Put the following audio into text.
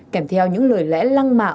kèm theo những lời lẽ lăng mạ